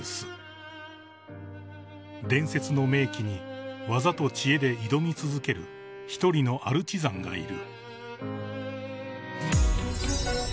［伝説の名器に技と知恵で挑み続ける一人のアルチザンがいる］